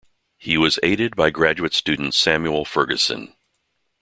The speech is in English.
He was aided by graduate student Samuel Ferguson.